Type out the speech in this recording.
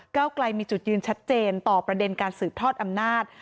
เก้าไกลมีจุดยืนชัดเจนต่อประเด็นการสืบทอดอำนาจ